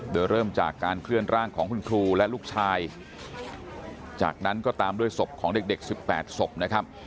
โดยเริ่มจากการเคลื่อนร่างของคุณครูและลูกชายจากนั้นก็ตามด้วยศพของเด็ก๑๘ศพนะครับ